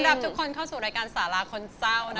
รับทุกคนเข้าสู่รายการสาราคนเศร้านะคะ